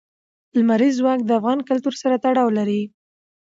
لمریز ځواک د افغان کلتور سره تړاو لري.